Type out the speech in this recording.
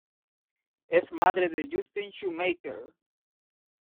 Es madre de Justin Shoemaker.